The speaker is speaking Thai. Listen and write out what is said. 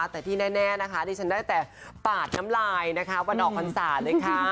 แต่ทินแน่นะคะดิฉันได้แต่ปากน้ำลายวันอกคอนสาตว์เลยค้ะ